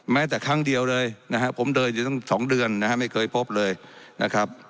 แม้แต่ครั้งเดียวเลยนะครับผมเดินอยู่ตั้ง๒เดือนนะฮะไม่เคยพบเลยนะครับ